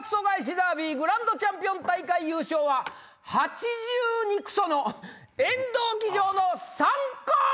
ダービーグランドチャンピオン大会優勝は８２クソ遠藤騎乗のサンコン！